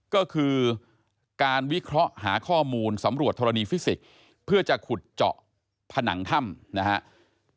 ก็คือการวิเคราะห์หาข้อมูลสำรวจธรณีฟิสิกส์เพื่อจะขุดเจาะผนังถ้ำนะครับ